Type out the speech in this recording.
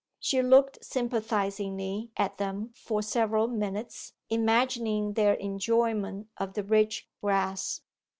She looked sympathizingly at them for several minutes, imagining their enjoyment of the rich grass.